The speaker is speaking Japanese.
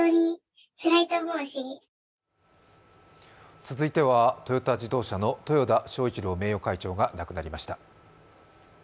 続いてはトヨタ自動車の豊田章一郎名誉会長が亡くなりました。